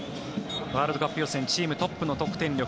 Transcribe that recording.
ワールドカップ予選チームトップの得点力。